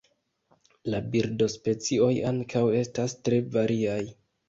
La birdospecioj ankaŭ estas tre variaj.